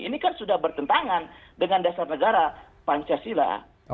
ini kan sudah bertentangan dengan dasar negara pancasila